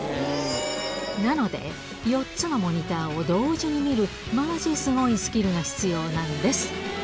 なので４つのモニターを同時に見る、マジすごいスキルが必要なんです。